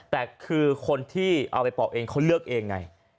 แต่คือคนที่เอาไปปอกเองเขาเลือกเองไง